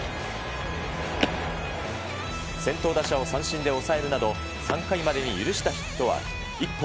先頭打者を三振で抑えるなど、３回までに許したヒットは１本。